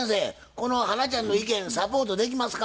この花ちゃんの意見サポートできますか？